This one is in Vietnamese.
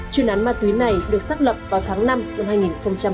chuyên án ma túy này được xác lập vào tháng năm năm hai nghìn hai mươi một